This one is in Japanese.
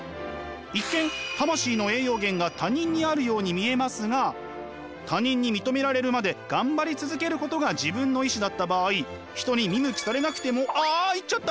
一見魂の栄養源が他人にあるように見えますが他人に認められるまで頑張り続けることが自分の意志だった場合人に見向きされなくてもああ行っちゃった！